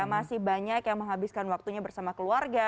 masih banyak yang menghabiskan waktunya bersama keluarga